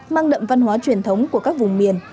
mang đậm văn hóa truyền thống của các vùng miền